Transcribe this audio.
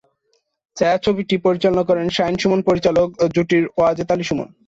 ছায়াছবিটি পরিচালনা করেন শাহীন-সুমন পরিচালক জুটির ওয়াজেদ আলী সুমন।